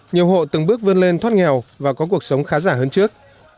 nhiều hộ từng bước vươn lên thoát nghèo và có cuộc sống khá giả hơn trước